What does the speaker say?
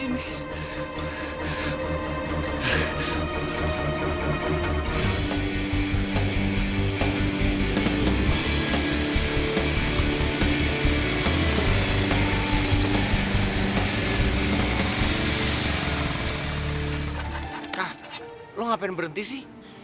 kah lo ngapain berhenti sih